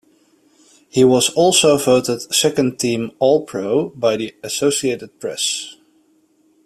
He was also voted second-team All-Pro by the Associated Press.